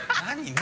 何？